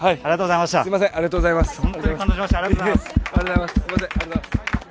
ありがとうございます。